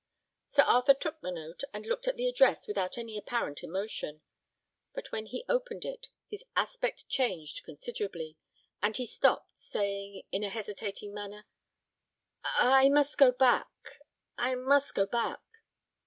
Sir Arthur took the note, and looked at the address without any apparent emotion; but when he opened it, his aspect changed considerably, and he stopped, saying, in a hesitating manner, "I must go back I must go back."